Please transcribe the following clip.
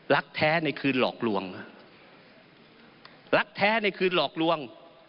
รักแท้ในคืนหลอกลวงรักแท้ในคืนหลอกลวง